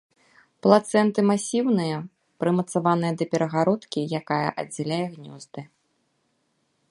Плацэнты масіўныя, прымацаваныя да перагародкі, якая аддзяляе гнёзды.